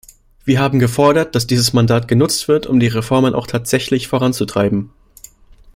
Wir haben gefordert, dass dieses Mandat genutzt wird, um die Reformen auch tatsächlich voranzutreiben.